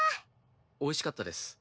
おいしかったです。